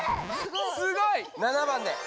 すごい！７番で。